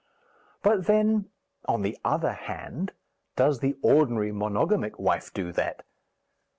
But then, on the other hand, does the ordinary monogamic wife do that?